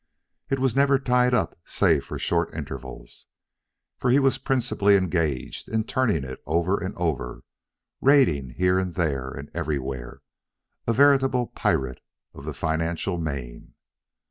It was never tied up save for short intervals, for he was principally engaged in turning it over and over, raiding here, there, and everywhere, a veritable pirate of the financial main.